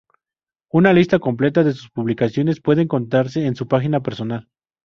Una lista completa de sus publicaciones puede encontrarse en su página personal.